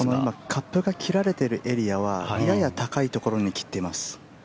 カップが切られているエリアはやや高いところに切っています。